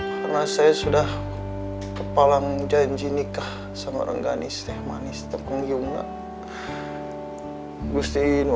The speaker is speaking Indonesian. karena saya sudah kepala menjanji nikah sama rengganis rehmanis tepung yungna